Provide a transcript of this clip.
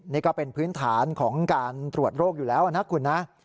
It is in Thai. นี่ก็เป็นพื้นฐานของการตรวจโรคอยู่แล้วนะคุณนะ